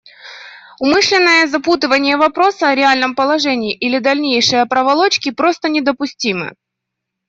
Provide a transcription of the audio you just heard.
Умышленное запутывание вопроса о реальном положении или дальнейшие проволочки просто недопустимы.